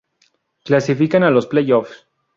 Clasifican a los playoffs